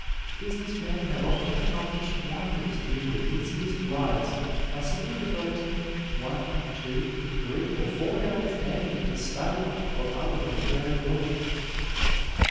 Business men have often accomplished wonders during the busiest lives by simply devoting one, two, three, or four hours daily to study or other literary work.